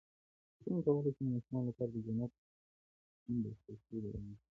څنګه کولی شم د ماشومانو لپاره د جنت د خوښۍ بیان کړم